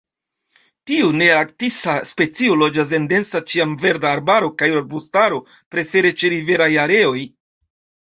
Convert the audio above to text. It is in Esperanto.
Tiu nearktisa specio loĝas en densa ĉiamverda arbaro kaj arbustaro, prefere ĉeriveraj areoj.